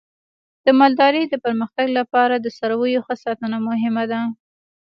د مالدارۍ د پرمختګ لپاره د څارویو ښه ساتنه مهمه ده.